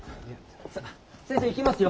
さあ先生行きますよ。